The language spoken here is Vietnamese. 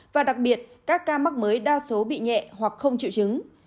và đặc biệt các ca mắc mới đa số bị nhẹ hoặc không chịu chứng